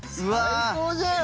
最高じゃん！